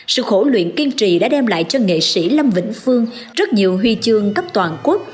sự khổ luyện kiên trì đã đem lại cho nghệ sĩ lâm vĩnh phương rất nhiều huy chương cấp toàn quốc